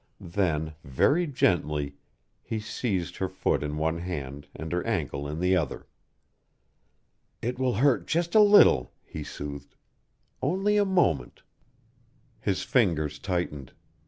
Then, very gently, he seized her foot in one hand and her ankle in the other. "It will hurt just a little," he soothed. "Only a moment." His fingers tightened.